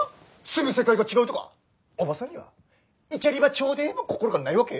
住む世界が違うとかおばさんにはいちゃりばちょーでーの心がないわけ？